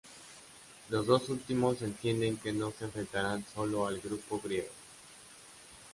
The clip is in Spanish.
Los dos últimos entienden que no se enfrentarán solos al grupo griego.